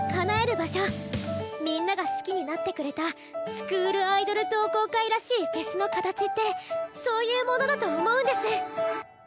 みんなが好きになってくれたスクールアイドル同好会らしいフェスの形ってそういうものだと思うんです。